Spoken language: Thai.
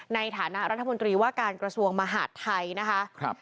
ในฐานะรัฐมนตรีว่าการกระทรวงมหาดไทยนะคะ